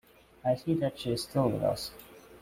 I see that she is still with us.